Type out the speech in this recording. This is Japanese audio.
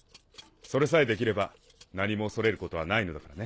それさえできれば何も恐れることはないのだからね。